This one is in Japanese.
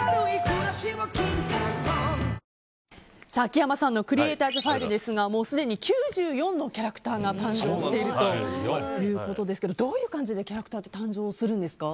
秋山さんのクリエイターズ・ファイルですがもうすでに９４のキャラクターが誕生しているということですけどどういう感じでキャラクターって誕生するんですか？